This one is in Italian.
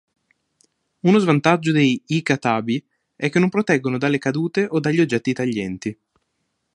Uno svantaggio dei jika-tabi è che non proteggono dalle cadute o dagli oggetti taglienti.